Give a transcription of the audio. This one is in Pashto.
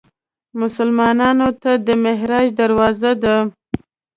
مسلمانانو ته د معراج دروازه ده.